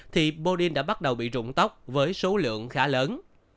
thì bodin đã bắt đầu bị trụng tóc với số lượng khá lớn